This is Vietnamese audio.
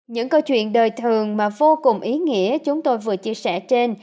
những câu chuyện đời thường mà vô cùng ý nghĩa chúng tôi vừa chia sẻ trên